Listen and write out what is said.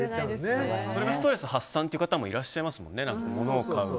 それがストレス発散という方もいらっしゃいますもんね。